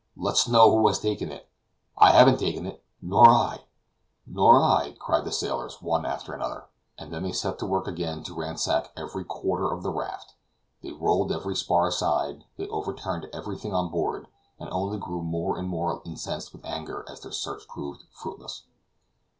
Let's know who has taken it." "I haven't taken it!" "Nor I! Nor I!" cried the sailors one after another. And then they set to work again to ransack every quarter of the raft; they rolled every spar aside, they overturned everything on board, and only grew more and more incensed with anger as their search proved fruitless.